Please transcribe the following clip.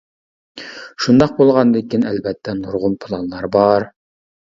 شۇنداق بولغاندىكىن ئەلۋەتتە نۇرغۇن پىلانلار بار.